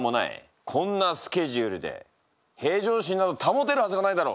こんなスケジュールで平常心など保てるはすがないだろ。